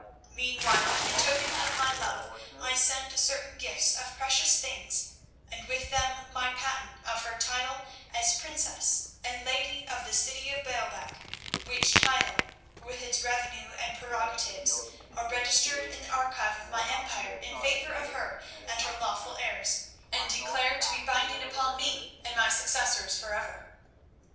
Meanwhile, in token of my love, I send certain gifts of precious things, and with them my patent of her title as Princess, and Lady of the City of Baalbec, which title, with its revenue and prerogatives, are registered in the archives of my empire in favour of her and her lawful heirs, and declared to be binding upon me and my successors forever.